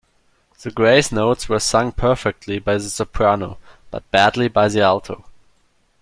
The grace notes were sung perfectly by the soprano, but badly by the alto